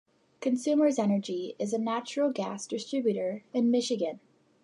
Consumers Energy is a natural gas distributor in Michigan.